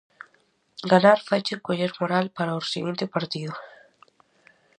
Ganar faiche coller moral para o seguinte partido.